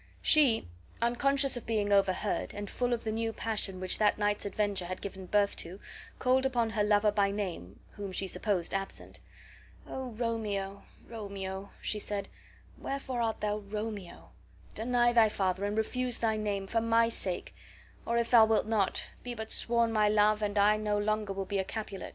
She, unconscious of being overheard, and full of the new passion which that night's adventure had given birth to, called upon her lover by name (whom she supposed absent). "O Romeo, Romeo!" said she, "wherefore art thou Romeo? Deny thy father and refuse thy name, for my sake; or if thou wilt not, be but my sworn love, and I no longer will be a Capulet."